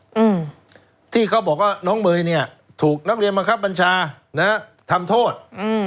อืมที่เขาบอกว่าน้องเมย์เนี้ยถูกนักเรียนบังคับบัญชานะฮะทำโทษอืม